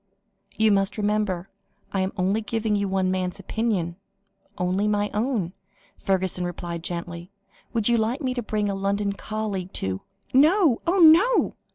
"You must remember I am only giving you one man's opinion only my own," Fergusson replied gently. "Would you like me to bring a London colleague to " "No oh no!"